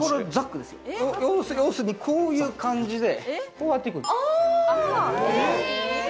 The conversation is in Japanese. こういう感じで、こうやっていくんですよ。